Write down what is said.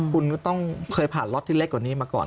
คุณก็ต้องเคยผ่านล็อตที่เล็กกว่านี้มาก่อน